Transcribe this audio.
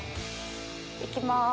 行きます。